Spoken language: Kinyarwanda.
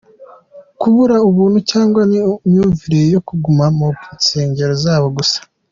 kubura abantu cyangwa ni imyumvire yo kuguma mu nsegero zabo gusa .